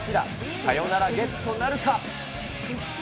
サヨナラゲットなるか。